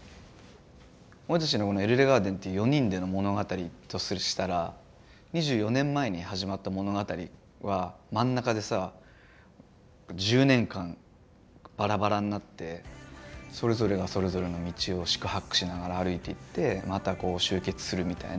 俺たちのこのＥＬＬＥＧＡＲＤＥＮっていう４人での物語としたら２４年前に始まった物語は真ん中でさ１０年間バラバラになってそれぞれがそれぞれの道を四苦八苦しながら歩いていってまたこう集結するみたいな。